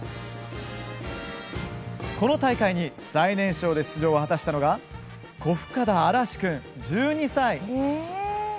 この大会に最年少で出場を果たしたのが小深田嵐君、１２歳。